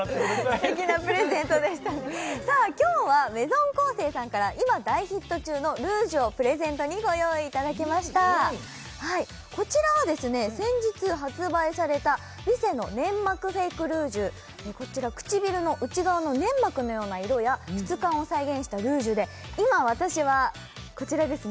すてきなプレゼントでした今日はＭａｉｓｏｎＫＯＳＥさんから今大ヒット中のルージュをプレゼントにご用意いただきましたこちらは先日発売されたヴィセのネンマクフェイクルージュこちら唇の内側の粘膜のような色や質感を再現したルージュで今私はこちらですね